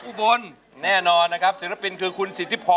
ท่านสอรัครโอเคนะครับท่านโอเคนะครับ